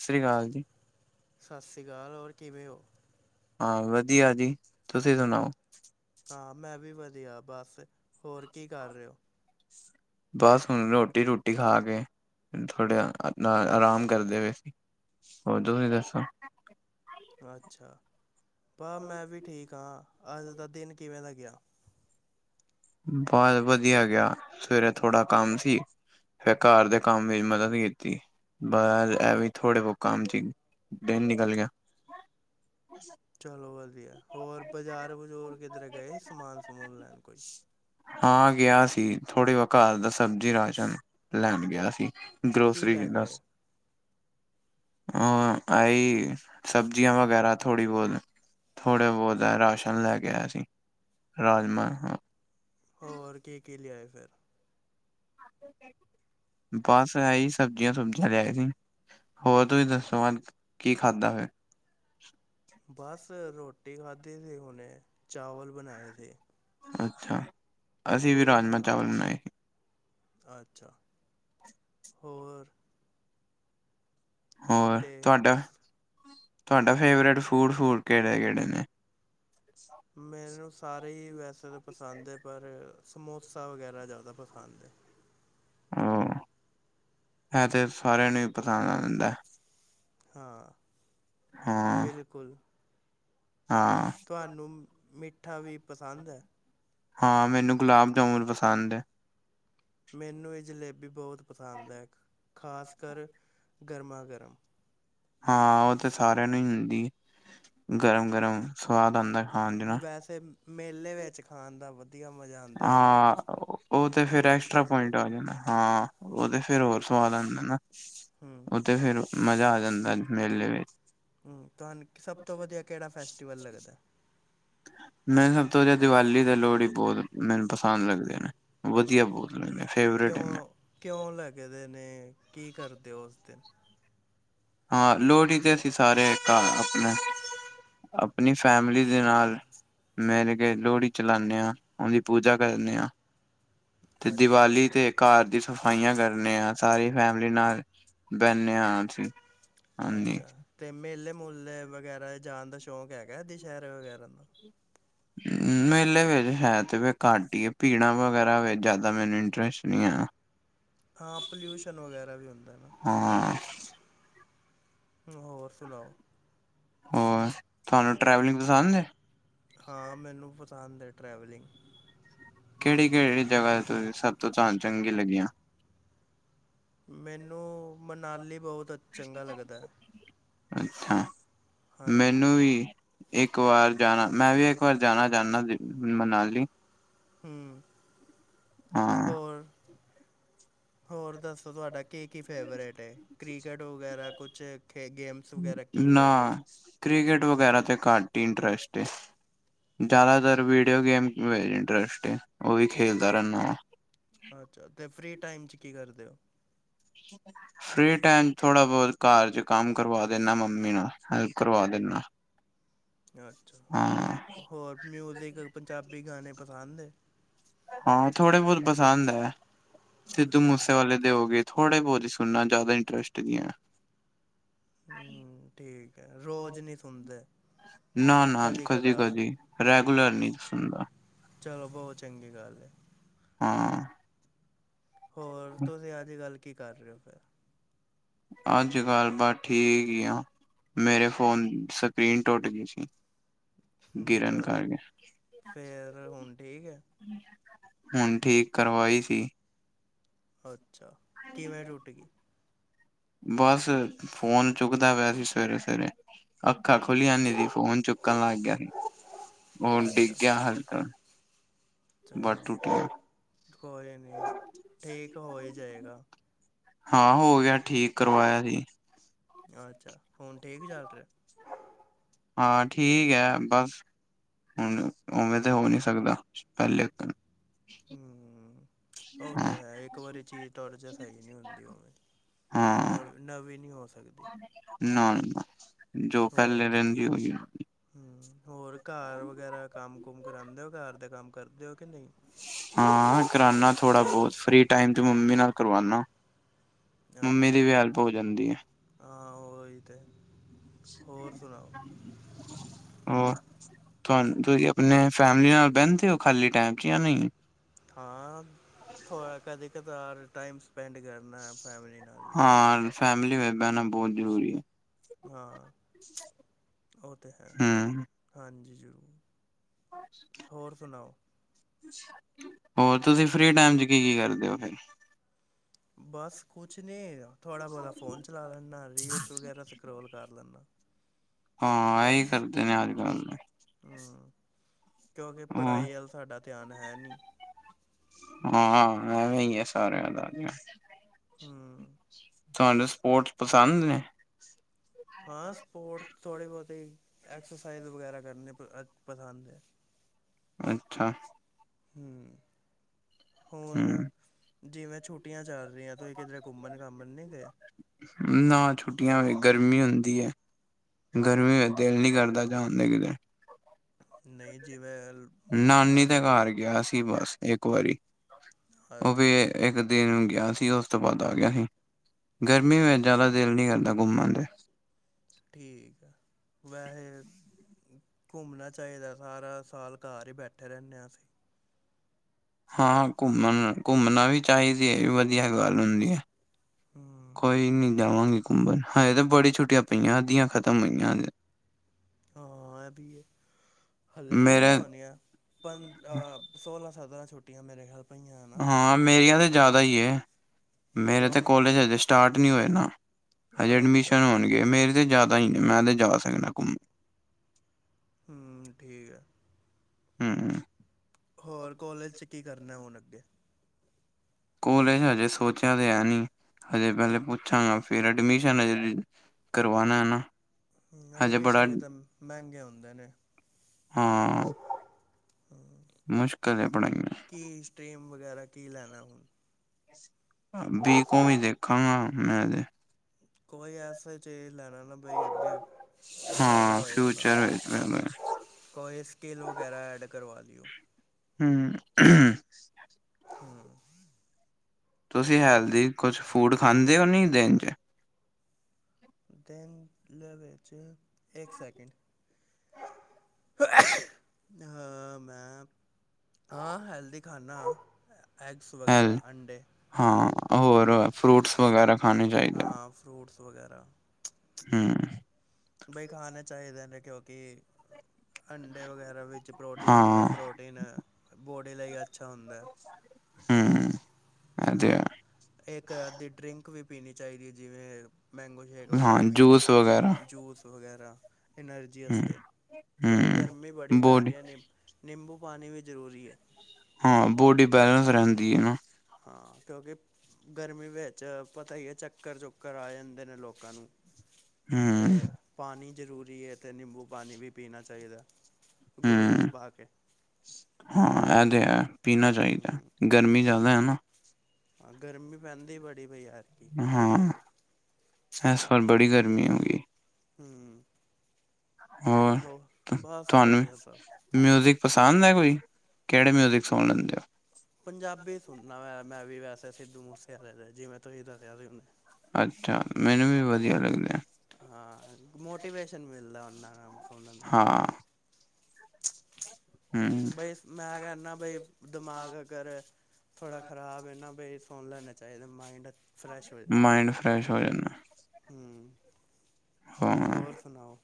ਸਸਾਰੀ ਸ਼੍ਰੀ ਅਕਾਲ ਜੀ। ਸਤਿ ਸ਼੍ਰੀ ਅਕਾਲ ਔਰ ਕਿਵੇਂ ਓ? ਹਾ ਵਧੀਆ ਜੀ, ਤੁਸੀਂ ਸੁਣਾਓ? ਹਾਂ, ਮੈਂ ਵੀ ਵਧੀਆ ਬਸ, ਹੋਰ ਕੀ ਕਰ ਰਹੇ ਓ? ਬਸ ਹੁਣ ਰੋਟੀ-ਰੂਟੀ ਖਾ ਕੇ, ਥੋੜ੍ਹਾ ਅ-ਆਰਾਮ ਕਰ ਦੇ ਪਏ ਸੀ। ਹੋਰ ਤੁਸੀਂ ਦੱਸੋ? ਅੱਛਾ, ਬਸ ਮੈਂ ਵੀ ਠੀਕ ਆਂ, ਅੱਜ ਦਾ ਦਿਨ ਕਿਵੇਂ ਦਾ ਗਿਆ? ਬ ਵਧੀਆ ਗਿਆ, ਸਵੇਰੇ ਥੋੜਾ ਕੰਮ ਸੀ। ਫ਼ੇਰ ਘਰ ਦੇ ਕੰਮ ਵਿੱਚ ਮਦਦ ਕੀਤੀ, ਬ ਐ ਵੀ ਥੋੜੇ ਬਹੁਤ ਕੰਮ ਚ' ਈ ਦਿਨ ਨਿਕਲ ਗਿਆ। ਚੱਲੋ ਵਧੀਆ, ਹੋਰ ਬਜ਼ਾਰ-ਬਜੂਰ ਕਿਧਰੇ ਗਏ ਸਮਾਨ-ਸਮੂਨ ਲੈਣ ਕੋਈ? ਹਾਂ, ਗਿਆ ਸੀ, ਥੋੜ੍ਹੇ ਓ ਘਰ ਦਾ ਸਬਜ਼ੀ-ਰਾਸ਼ਨ ਲੈਣ ਗਿਆ ਸੀ। ਕੀ ਗਰੋਸਰੀ ਲੈ ਲੈਣ ਕੇ ਆਏ? ਬਸ। ਹਾ ਅ-ਆਈ, ਸਬਜ਼ੀਆਂ ਵਗੈਰਾ ਥੋੜ੍ਹੀ ਬੋਹਤ? ਥੋੜ੍ਹੇ ਬਹੁਤ, ਰਾਸ਼ਨ ਲੈ ਕੇ ਆਇਆ ਸੀ ਰਾਜਮਾਂ ਹੋਰ ਕੀ-ਕੀ ਲਿਆਏ ਫੇਰ? ਬਸ ਆਹੀ ਸਬਜ਼ੀਆਂ-ਸੁਬਜ਼ੀਆਂ ਲਾਇਆ ਸੀ। ਹੋਰ ਤੁਸੀਂ ਦੱਸੋ, ਅੱਜ ਕੀ ਖਾਧਾ ਫੇਰ? ਬਸ ਰੋਟੀ ਖਾਧੀ ਸੀ ਹੁਣੇ, ਚਾਵਲ ਬਣਾਏ ਸੀੇ। ਅੱਛਾ। ਅਸੀਂ ਵੀ ਤੁਸੀਂ ਰਾਜਮਾਂ ਸੁਣਾਓ? ਚਾਵਲ ਬਣਾਏ ਸੀ। ਅੱਛਾ, ਹੋਰ? ਹੋਰ ਤੇ ਤੁਹਾਡਾ, ਤੁਹਾਡਾ ਫੇਵਰੇਟ ਫੂਡ-ਫੂਡ ਕਿਹੜੇ-ਕਿਹੜੇ ਨੇ? ਮੈਨੂੰ ਸਾਰੇ ਈ ਵੈਸੇ ਤਾਂ ਪਸੰਦ ਐ, ਪਰ ਸਮੋਸਾ ਵਗੈਰਾ ਜ਼ਿਆਦਾ ਪਸੰਦ ਐ। ਹੂ, ਇਹ ਤੇ ਸਾਰਿਆਂ ਨੂੰ ਈ ਪਸੰਦ ਐ। ਹਾਂ, ਹਾਂ ਬਿਲਕੁਲ। ਹਾਂ। ਤੁਹਾਨੂੰ ਮਿੱਠਾ ਵੀ ਪਸੰਦ ਐ? ਹਾਂ, ਮੈਨੂੰ ਗੁਲਾਬ-ਜਾਮੁਨ ਪਸੰਦ ਐ। ਮੈਨੂੰ ਇਹ ਜਲੇਬੀ ਬਹੁਤ ਪਸੰਦ ਐ, ਖਾਸ ਕਰ ਗਰਮਾ-ਗਰਮ। ਹਾਂ, ਉਹ ਤੇ ਸਾਰਿਆਂ ਨੂੰ ਈ ਹੁੰਦੀ, ਗਰਮ-ਗਰਮ ਸਵਾਦ ਆਂਦਾ। ਵੈਸੇ ਮੇਲੇ ਵਿੱਚ ਖਾਣ ਦਾ ਵਧੀਆ ਮਜ਼ਾ ਆਉਂਦਾ ਹਾਂ, ਜਲੇਬੀ ਉਹ ਤੇ ਫਿਰ ਐਕਸਟਰਾ ਸਮੋਸੇ ਪੁਆਇੰਟ ਆ ਜਲੇਬੀ ਗਿਆ ਨਾ ਹਾਂ। ਓ ਤੇ ਫੇਰ ਹੋਰ ਸਵਾਦ ਆਂਦਾ ਨਾ। ਹੂ। ਓ ਤੇ ਫੇਰ ਮਜ਼ਾ ਆ ਜਾਂਦਾ ਮੇਲੇ ਵਿੱਚ। ਹੂ, ਤੁਹਾਨੂੰ ਸਭ ਤੋਂ ਵਧੀਆ ਕਿਹੜਾ ਫੈਸਟੀਵਲ ਲੱਗਦਾ? ਮੈਨੂੰ ਸਭ ਤੋਂ ਜਾਦੇ ਦੀਵਾਲੀ ਤੇ ਲੋਹੜੀ ਬਹੁਤ ਮੈਨੂੰ ਪਸੰਦ ਲੱਗਦੇ ਨੇ। ਵਧੀਆ ਬਹੁਤ ਲੱਗਦੇ, ਫੇਵਰੇਟ ਹੈਗੇ। ਕਿਉਂ ਕਿਉਂ ਲੱਗਦੇ ਨੇ, ਕੀ ਕਰਦੇ ਓ ਉਸ ਦਿਨ? ਹਾਂ, ਲੋਹੜੀ ਤੇ ਅਸੀਂ ਸਾਰੇ ਘਾ ਆਪਣੇ ਆਪਣੀ ਫੈਮਲੀ ਦੇ ਨਾਲ। ਮਿਲ ਕੇ ਲੋਹੜੀ ਚਲਾਉਣੇ ਆ, ਉਹਦੀ ਪੂਜਾ ਕਰਨੇ ਆ। ਤੇ ਅੱਛਾ ਦੀਵਾਲੀ ਅੱਛਾ ਤੇ ਘਰ ਦੀ ਸ ਸਫਾਈਆਂ ਕਰਨੇ ਆ, ਸਾਰੀ ਫੈਮਿਲੀ ਨਾਲ ਬਹਿਣੇ ਆ। ਅਸੀਂ ਹਾਂਜੀ ਅੱਚਾ। ਤੇ ਮੇਲੇ ਮੂਲੇ ਵਗੈਰਾ ਜਾਣ ਦਾ ਸ਼ੌਂਕ ਹੈਗਾ ਦਸਹਿਰੇ ਵਗੈਰਾ ਦਾ? ਮੇਲੇ ਵਿੱਚ ਹੈ ਤੇ ਵੇਹੇ ਘੱਟ ਈ ਐ, ਭੀੜਾਂ ਵਗੈਰਾ ਵਿੱਚ ਜ਼ਿਆਦਾ ਮੈਨੂੰ ਇੰਟਰੇਸ਼ਟ ਨਹੀਂ ਆ। ਹਾਂ, ਪਲੂਸ਼ਨ ਵਗੈਰਾ ਵੀ ਹੁੰਦਾ ਨਾ। ਹਾਂ ਹੋਰ ਸੁਣਾਓ? ਹੋਰ, ਤੁਹਾਨੂੰ ਟਰੈਵਲਿੰਗ ਪਸੰਦ ਐ? ਹਾਂ, ਮੈਨੂੰ ਪਸੰਦ ਐ ਟਰੈਵਲਿੰਗ। ਕਿਹੜੀ ਕਿਹੜੀ ਜਗ੍ਹਾ ਤੇ ਸਭ ਤੋਂ ਤੁਹਾਨੂੰ ਚੰਗੀ ਲੱਗੀਆਂ? ਮੈਨੂੰ ਮਨਾਲੀ ਬਹੁਤ ਅੱ ਚੰਗਾ ਲੱਗਦਾ। ਅੱਛਾ, ਹਾਂਜੀ ਮੈਨੂੰ ਵੀ। ਇੱਕ ਵਾਰ ਜਾਣਾ, ਮੈਂ ਵੀ ਇੱਕ ਵਾਰ ਜਾਣਾ ਚਾਣਾ ਮਨਾਲੀ। ਹੂੰ, ਹਾਂ। ਹੋਰ, ਹੋਰ ਦੱਸੋ ਤੁਹਾਡਾ ਕੀ ਕੀ ਫੇਵਰੇਟ ਐ, ਕ੍ਰਿਕਟ ਵਗੈਰਾ ਕੁੱਛ ਖੇ ਗੇਮ ਨਾ ਕ੍ਰਿਕਟ ਵਗੈਰਾ ਤੇ ਘੱਟ ਹੀ ਇੰਟਰਸਟ ਏ। ਜ਼ਿਆਦਾਤਰ ਵੀਡੀਓ ਗੇਮ ਚ ਇੰਟਰਸਟ ਏ, ਉਵੀ ਖੇਲਦਾ ਰਹਿਣਾ ਵਾ। ਅੱਛਾ ਤੇ ਫਰੀ ਟਾਈਮ ਚ ਕੀ ਕਰਦੇ ਓ? [unintelligible] ਫਰੀ ਟਾਈਮ ਥੋੜਾ ਬਹੁਤ ਘਰ ਚ ਕੰਮ ਕਰਵਾ ਦਿੰਨਾ ਮੰਮੀ ਨਾਲ, ਹੈਲਪ ਕਰਵਾ ਦਿੰਨਾ। ਅੱਛਾ, ਹੋਰ ਮਿਊਜ਼ਿਕ, ਪੰਜਾਬੀ ਗਾਣੇ ਪਸੰਦ ਏ? ਹਾਂ, ਥੋੜੇ ਬਹੁਤ ਪਸੰਦ ਹੈ ਐ, ਸਿੱਧੂ ਅੱਛਾ ਮੂਸੇਵਾਲੇ ਦੇ ਹੋ ਗਏ। ਥੋੜੇ ਬਹੁਤ ਹੀ ਸੁਣਨਾ, ਜ਼ਿਆਦਾ ਇੰਟਰਸਟ ਨੀ ਐ। ਹੂੰ, ਠੀਕ ਐ, ਰੋਜ਼ ਨੀ ਸੁਣਦੇ? ਨਾ ਨਾ ਕਦੀ ਕਦੀ, ਰੈਗੂਲਰ ਨੀ ਸੁਣਦਾ। ਚਲੋ ਬਹੁਤ ਚੰਗੀ ਗੱਲ ਐ। ਹਾਂ। ਹੋਰ, ਤੁਸੀਂ ਅੱਜ-ਕੱਲ ਕੀ ਕਰ ਰਹੇ ਹੋ ਫੇਰ? ਅੱਜ-ਕੱਲ ਬਾਸ ਠੀਕ ਹੀ ਆਂ, ਮੇਰੇ ਫੋਨ ਸਕਰੀਨ ਟੋਟ ਗਈ ਸੀ। ਹਮ, ਗਿਰਨ ਚਲੋ, ਕਰਕੇ ਫੇਰ ਹੁਣ ਠੀਕ ਹੈ? ਹੁਣ ਠੀਕ ਕਰਵਾਈ ਸੀ। ਅੱਛਾ, ਕਿਵੇਂ ਟੁੱਟ ਗਈ? ਬਸ, ਫੋਨ ਚੁੱਕਦਾ ਪਿਆ ਸੀ ਸਵੇਰੇ-ਸਵੇਰੇ ਅੱਖਾਂ ਖੁੱਲੀਆਂ ਨੀ ਸੀ, ਫੋਨ ਚੁੱਕਣ ਲੱਗ ਗਿਆ ਸੀ। ਉਹ ਅੱਛਾ ਡਿੱਗ ਗਿਆ ਹਕ ਚਲੋ [unintelligible] ਠੀਕ ਹੋ ਹੀ ਜਾਏਗਾ। ਹਾਂ ਹੋ ਗਿਆ, ਠੀਕ ਕਰਵਾਇਆ ਸੀ। ਅੱਛਾ, ਹੁਣ ਠੀਕ ਚੱਲ ਰਿਹਾ? ਹਾਂ, ਠੀਕ ਹੈ ਬਸ ਹੁਣ ਉਵੇਂ ਤੇ ਹੋ ਨੀ ਸਕਦਾ, ਪਹਿਲੇ ਅਕਨ ਹਮ ਉਹ ਹਾਂ ਤੇ ਹੈ ਇੱਕ ਵਾਰੀ ਚੀਜ਼ ਟੋਟ ਜੇ, ਸਹੀ ਨਹੀਂ ਹੁੰਦੀ ਉਵੇਂ ਹਾਂ ਨਵੀ, ਨਵੀਂ ਨੀ ਹੋ ਸਕਦੀ। ਨਾ ਨਾ, ਜੋ ਪਹਿਲੇ ਰਹਿੰਦੀ [unintelligible] ਹਮ, ਹੋਰ ਘਰ ਵਗੈਰਾ ਕੰਮ-ਕੁਮ ਕਰਾਂਦੇ ਹੋ, ਘਰ ਦੇ ਕੰਮ ਕਰਦੇ ਹੋ ਕਿ ਨਹੀਂ? ਹਾਂ ਕਰਾਨਾ ਥੋੜਾ ਬਹੁਤ, ਫ੍ਰੀ ਟਾਈਮ ਤੇ ਮੰਮੀ ਨਾਲ ਕਰਵਾਉਾ ਮੰਮੀ ਅੱਛਾ ਦੀ ਵੀ ਹੈਲਪ ਹੋ ਜਾਂਦੀ ਏ ਹਾਂ ਉਹੀ ਤੇ, ਹੋਰ ਸੁਣਾੳ? ਹੋਰ, ਤੁਾਨ-ਤੁਸੀਂ ਆਪਣੇ ਫੈਮਿਲੀ ਨਾਲ ਬਹਿੰਦੇ ਹੋ, ਖਾਲੀ ਟਾਈਮ 'ਚ ਜਾਂ ਨਹੀਂ? ਹਾਂ, ਥੋ੍ਹਾ ਕਦੇ-ਕਦਾਰ ਟਾਈਮ ਸਪੈਂਡ ਕਰਨਾ ਫੈਮਿਲੀ ਨਾਲ ਵੀ ਹਾਂ, ਫੈਮਲੀ ਵੇ ਬਹਿਣਾ ਬਹੁਤ ਜ਼ਰੂਰੀ ਏ ਹਾਂ, ਉਹ ਤਾਂ ਹੈ, ਹਮ ਹਾਂਜੀ ਜ਼ਰੂਰ। [inaudible] ਹੋਰ ਸੁਣਾਓ? ਹੋਰ, ਤੁਸੀਂ ਫਫ੍ਰੀ ਟਾਈਮ 'ਚ ਕੀ-ਕੀ ਕਰਦੇ ਹੋ ਫੇਰ? ਬਸ ਕੁਛ ਨੀ, ਥੋੜ੍ਹਾ ਬਹੁਤਾ ਫੋਨ ਚਲਾ ਲੈਂਦਾ, ਰੀਲਸ ਵਗੈਰਾ ਸਕਰੋਲ ਕਰ ਲੈਨਾ। ਹਾਂ, ਇਹੀ ਕਰਦੇ ਨੇ ਅੱਜ ਕੱਲ ਹਮ, ਕਿਉਂਕਿ ਹੋਰ ਪੜ੍ਹਾਈ ਵਲ ਸਾਡਾ ਧਿਆਨ ਹੈ ਨਹੀਂ ਹਾਂ, ਐਵੇਂ ਈ ਸਾਰਿਆਂ ਦਾ ਹਮ ਤੁਹਾਨੂੰ ਸਪੋਰਟਸ ਪਸੰਦ ਨੇ? ਹਾਂ ਸਪੋਰਟਸ ਥੋੜ੍ਹੇ ਬਹੁਤੇ, ਐਕਸਰਸਾਈਜ਼ ਵਗੈਰਾ ਕਰਨੇ ਪਸੰਦ ਏ। ਅੱਛਾ। ਹਮ, ਹੋਰ ਹਮ ਜਿਵੇ ਛੁਟਿਆ ਚੱਲ ਰਹੀ ਆਂ, ਤੁਹੀ ਕਿੱਧਰੇ ਘੁੰਮਣ-ਘਾਮਣ ਨਹੀਂ ਗਏ? ਨਾ, ਛੁਟਿਆ ਵੇ ਗਰਮੀ ਹੁੰਦੀ ਏ। ਗਰਮੀ ਵਿੱਚ ਦਿਲ ਨਹੀਂ ਕਰਦਾ, ਜਾਨ ਨੂੰ ਕਿ ਨਹੀਂ, ਜਿਵੇਂ ਨਾਨੀ ਨਾਨ ਦੇ ਘਰ ਗਿਆ ਸੀ ਬਸ ਇੱਕ ਵਾਰੀ, ਉਹ ਵੀ ਅੱਛਾ ਇੱਕ ਦਿਨ ਗਿਆ ਸੀ, ਉਸ ਤੋਂ ਬਾਦ ਆ ਗਿਆ ਸੀ। ਗਰਮੀ ਵਿਚ, ਜਾਦਾ ਅੱਛਾ ਦਿਲ ਨਹੀਂ ਕਰਦਾ ਘੁੰਮਣ ਤੇ ਠੀਕ ਆ, ਵੈਸੇ ਘੁੰਮਣਾ ਚਾਹੀਦਾ, ਸਾਰਾ ਸਾਲ ਘਰ ਹੀ ਬੈਠੇ ਰਹਿੰਦੇ ਹਾਂ ਅਸੀਂ। ਹਾਂ ਘੁੰਮਣ, ਘੁੰਮਣਾ ਵੀ ਚਾਹੀਦੀ ਏ, ਵਧੀਆ ਗੱਲ ਹੁੰਦੀ ਏ। ਹੂੰ ਕੋਈ ਨੀ ਜਾਵਾਂਗੇ ਘੁੰਮਣ, ਹਜੇ ਤਾਂ ਬੜੀ ਛੁਟੀਆਂ ਪਈਆਂ, ਅੱਧੀਆਂ ਖਤਮ ਹੋਈਆਂ ਹਜੇ। ਹਾਂ ਏ ਵੀ ਏ ਹਲੇ ਮੇਰੇ ਪਹੀਆਂ ਹੁਣੀਆਂ ਪੰ ਅ ਸੋਲਾਂ ਸਤਰਾਂ ਛੁਟੀਆਂ ਮੇਰੇ ਖਿਆਲ ਪਈਆਂ ਨਾ ਹਾਂ ਮੇਰੀਆਂ ਤਾਂ ਜਾਦਾ ਹੀ ਏ ਮੇਰੇ ਕਿਉਂ ਤੇ ਕੋਲੇਜ ਅਜੇ ਸਟਾਰਟ ਨਹੀਂ ਹੋਏ ਨਾ ਹਜੇ ਅੱਛਾ ਐਡਮਿਸ਼ਨ ਹੋਣਗੇ ਮੇਰੇ ਤੇ ਜਾਦਾ ਹੀ ਨੇ ਮੈਂ ਤੇ ਜਾ ਸਕਨਾ ਘੁੰਮਣ ਹ ਠੀਕ ਹੈ ਹਮ ਹੋਰ ਕੋਲਜ 'ਚ ਕੀ ਕਰਨਾ ਹੁਣ ਅੱਗੇ ਕੋਲੇਜ ਹਜੇ ਸੋਚਿਆ ਤੇ ਹੈ ਨੀ ਹਜੇ ਪਹਿਲੇ ਪੁੱਛਾਂਗਾ ਫੇਰ ਐਡਮਿਸ਼ਨ ਕਰਵਾਣਾ ਨਾ ਹਜੇ ਬੜਾ ਐਡਮਿਸ਼ਨ ਵੀ ਤਾਂ ਮਹਿੰਗੇ ਹਉਦੇ ਨੇ ਹਾਂ ਮੁਸ਼ਕਿਲ ਹੈ ਪੜ੍ਹਾਈਆਂ ਕੀ ਸਟਰੀਮ ਵਗੈਰਾ ਕੀ ਲੈਣਾ ਹੁਣ ਬ ਕੋਮ ਵੀ ਦੇਖਾਂਗਾ ਮੈਂ ਤੇ ਕੋਈ ਐਸੇ ਚੇਜ਼ ਲੈਣਾ ਨਾ ਇਥੇ ਫਾਇਦਾ ਹਾਂ ਹੋਏ ਉਹਦਾ ਫਿਊਚਰ ਵਿੱਚ ਕੋਈ ਕੀਂਲ ਵਗੈਰਾ ਐਡ ਕਰਵਾ ਲਿਓ ਹਮ ਹਮ ਤੁਸੀਂ ਹੈਲਦੀ ਕੁਛ ਫੂਡ ਖਾਂਦੇ ਹੋ ਨੀ ਦਿਨ 'ਚ? ਦੇਨ ਦੇ ਵਿੱਚ ਇੱਕ ਸੈਕਿੰਡ ਹਾਂ ਮੈਂ ਆਂ ਹੈਲਦੀ ਖਾਨਾ ਐਗਸ ਹੈਲ ਵਗੈਰਾ ਅੰਡੇ। ਹਾਂ ਹੋਰ ਫਰੂਟਸ ਵਗੈਰਾ। ਖਾਣੇ ਚਾਹੀਦੇ ਹਾਂ ਫਰੂਟਸ ਵਗੈਰਾ। ਹਮ। ਬਈ ਖਾਣੇ ਚਾਹੀਦੇ ਨੇ ਕਿਉਂਕਿ ਅੰਡੇ ਵਗੈਰਾ ਵਿੱਚ ਪ੍ਰੋਟੀਨ ਹੁੰਦਾ ਹਾਂ ਪ੍ਰੋਟੀਨ ਬੋਡੀ ਲਈ ਅੱਛਾ ਹੁੰਦਾ। ਹਮ। ਇਹ ਤੇ ਹੈ ਹਾਂ ਇੱਕ ਅੱਦੀ ਡਰਿੰਕ ਵੀ ਪੀਣੀ ਚਾਹੀਦੀ ਹੈ ਜਿਵੇਂ ਮੈਂਗੋ। ਜੇਗ ਹਾਂ ਵਗੈਰਾ ਪੀ ਲਿਆ ਜੂਸ ਕੁਛ ਵਗੈਰਾ ਜੂਸ। ਵਗੈਰਾ ਐਨਾਰਜੀ ਵਾਸ ਹਮ ਕਿਉਂਕਿ ਗਰਮੀ ਬੜੀ ਹਮ ਪੈ ਬੋਡੀ ਰਹੀ ਹੈ ਨਹੀਂ ਨਿੰਬੂ ਪਾਣੀ ਵੀ ਜ਼ਰੂਰੀ ਹੈ। ਹਾਂ ਬੋਡੀ ਬੈਲੇਂਸ ਰਹਿੰਦੀ ਹੈ ਨਾ? ਹਾਂ ਕਿਉਂਕਿ ਗਰਮੀ ਵਿੱਚ ਪਤਾ ਹੀ ਹੈ ਚੱਕਰ ਚੁੱਕਰ ਆ ਜਾਂਦੇ ਨੇ ਲੋਕਾਂ ਨੂੰ। ਤੇ ਹਮ ਪਾਣੀ ਜ਼ਰੂਰੀ ਹੈ ਤੇ ਨਮਬੂ ਪਾਣੀ ਵੀ ਪੀਣਾ ਚਾਹੀਦਾ। ਗਲੂਕੋਸ ਹਮ ਪਾ ਕੇ ਹਾਂ ਤੇ ਹੈ ਪੀਣਾ ਚਾਹੀਦਾ। ਹੂੰ ਗਰਮੀ ਜ਼ਿਆਦਾ ਹੈ ਨਾ। ਹਾਂ ਗਰਮੀ ਪੈਂਦੀ ਬੜੀਈ ਯਾਰਕੀ ਕੀ ਕਰੀਏ ਹਾਂ ਇਸ ਵਾਰ ਬੀ ਗਰਮੀ ਹੋ ਗਈ ਹਮ ਹੋਰ ਬਸ ਤੁਹਾਨੂੰ ਵਧੀਆ ਸਭ। ਮਿਊਜ਼ਿਕ ਪਸੰਦ ਹੈ ਕੋਈ ਕਿਹੜੇ ਮਿਊਜ਼ਿਕ ਸੁਣ ਲੈਂਦੇ ਹੋ। ਪੰਜਾਬੀ ਸੁਣਨਾ ਵੈਂ ਮੈਂ ਵੀ ਵੈਸੇ ਸਿੱਧੂ ਮੂਸੇਵਾਲੇ ਦੇ ਜਿਵੇਂ ਤੁਸੀਂ ਤਾਂ ਕਹਿਦੇੁੰਦੇ। ਅੱਛਾ ਮੈਨੂੰ ਵੀ ਵਧੀਆ ਲੱਗਦਾ। ਹਾਂ ਮੋਟੀਵੇਸ਼ਨ ਮਿਲਦਾ ਉਹਨਾਂ ਨਾਲ ਫਨਾਂ ਨਾਲ ਨਾ? ਹਾਂ, ਹੂੰ, ਬਈ ਮੈਂ ਕਹਿਿੰਦਾ ਬਈ ਦਿਮਾਗ ਅਗਰ ਥੋੜਾ ਖਰਾਬ ਇ ਨਾ ਭ ਸੁਣ ਲੈਣੇ ਚਾਹੀਦਾ ਮਾਈਂਡ। ਮਾਇੰਡ ਫਰੈਸ਼ ਹੋ ਜਾਂਦ ਹਮ ਹਾਂ, ਹੋਰ ਸੁਨਾਓ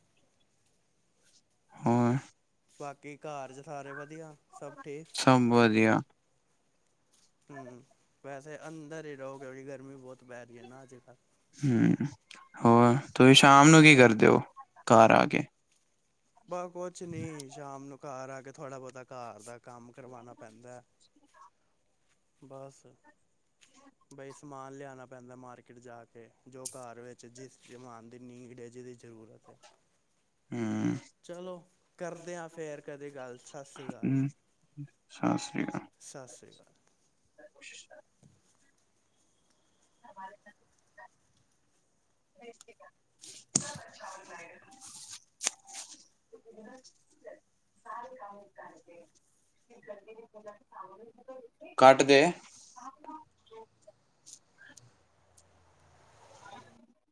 ਹਰ [unintelligible] ਬਾਕੀ ਘਰ ਚ ਸਾਰੇ ਵਧੀਆ ਸਭ ਠੀਕ ਸਭ ਵਧੀਆ ਹਮ ਵੈਸੇ ਅੰਦਰ ਹੀ ਰਹੋ ਕਿਉਂਕਿ ਗਰਮੀ ਬਹੁਤ ਪੈ ਰਹੀ ਹੈ ਨਾ ਅੱਜ ਕੱਲ੍ਹ ਹਮ ਹੋਰ ਤੁਹੀਂ ਸ਼ਾਮ ਨੂੰ ਕੀ ਕਰਦੇ ਹੋ ਘਰ ਆ ਕੇ ਬ ਕੁਛ ਨੀ ਸ਼ਾਮ ਨੂੰ ਘਰ ਆ ਕੇ ਥੋੜਾ ਬਹੁਤਾ ਘਰ ਦਾ ਕੰਮ ਕਰਵਾਨਾ ਪੈਂਦਾ ਐ ਬਸ ਬਈ ਸਮਾਨ ਲਿਆਉਣਾ ਪੈਂਦਾ ਮਾਰਕੀਟ ਜਾ ਕੇ ਜੋ ਘਰ ਵਿੱਚ ਜਿਸ ਜਮਾਨ ਦੀ ਨੀਂਦ ਹੈ ਜਿਹਦੀ ਜ਼ਰੂਰਤ ਹੈ ਹੂੰ, [unintelligible] ਚਲੋ ਕਰਦੇ ਆ ਫੇਰ ਕਦੇ ਗੱਲ ਸਸੀ ਕਾਲ ਸਸ੍ਰੀ ਕਾਲ ਸਸ੍ਰੀ ਕਾਲ ਕੋਸ਼ਿਸ਼ [unintelligible] [unintelligible] ਅ [unintelligible] [unintelligible] [unintelligible] ਸਾਰੇ ਕਮ ਕਰਦੇ [unintelligible] ਕੱਟ ਦੇ ਹ [inaudible]